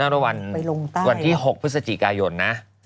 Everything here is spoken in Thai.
รวมวันที่๖พฤศจิกายน